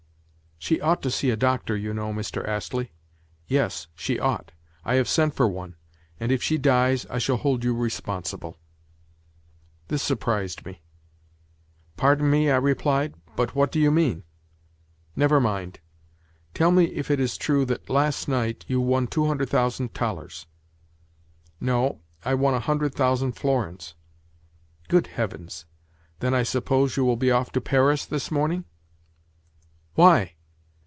"She ought to see a doctor, you know, Mr. Astley." "Yes, she ought. I have sent for one, and, if she dies, I shall hold you responsible." This surprised me. "Pardon me," I replied, "but what do you mean?" "Never mind. Tell me if it is true that, last night, you won two hundred thousand thalers?" "No; I won a hundred thousand florins." "Good heavens! Then I suppose you will be off to Paris this morning?" "Why?"